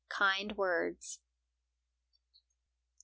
Kind Words.